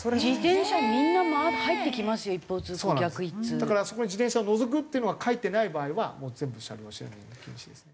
だからあそこに「自転車を除く」っていうのが書いてない場合はもう全部車両は進入禁止ですね。